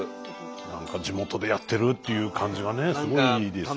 何か地元でやってるっていう感じがねすごいいいですよね。